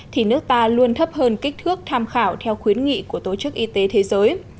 thì nước ta luôn thấp hơn kích thước tham khảo theo khuyến nghị của tổ chức y tế thế giới